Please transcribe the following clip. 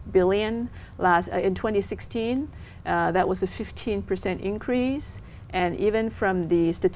một phần phát triển đất nước nguyễn văn hóa